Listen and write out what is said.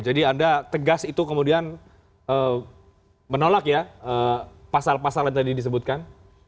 jadi anda tegas itu kemudian menolak ya pasal pasal yang tadi disebutkan